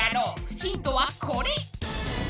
ヒントはこれ！